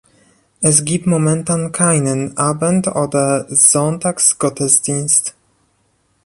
Es gib momentan keinen Abend- oder Sonntagsgottesdienst